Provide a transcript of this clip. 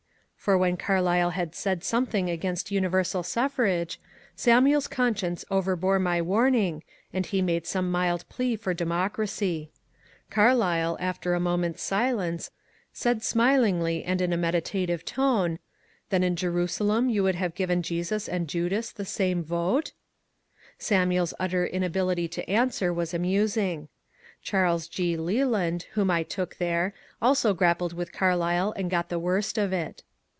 For when Carlyle had said something against universal suffrage, Samuel's conscience overbore my warning and he made some mild plea for demo cracy. Carlyle after a moment's silence said smilingly and in 400 MONCURE DANIEL CONWAY a meditative tone, ^^ Then in Jerusalem yon would have given Jesus and Judas the same vote ?" Samuel's utter inability to answer was amusing. Charles G. Leland, whom I took there, also grappled with Carlyle and got the worst of it.